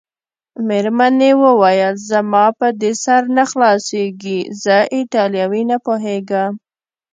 مېرمنې وویل: زما په دې سر نه خلاصیږي، زه ایټالوي نه پوهېږم.